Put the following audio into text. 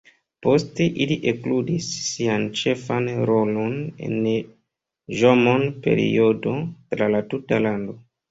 Poste ili ekludis sian ĉefan rolon en la Ĵomon-periodo tra la tuta lando.